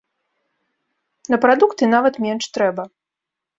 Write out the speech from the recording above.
На прадукты нават менш трэба.